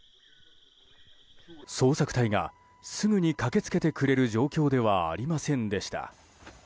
捜索隊がすぐに駆け付けてくれる状態ではありませんでした。